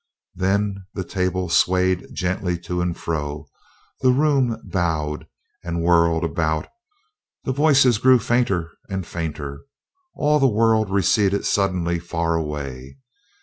Then the table swayed gently to and fro; the room bowed and whirled about; the voices grew fainter and fainter all the world receded suddenly far away.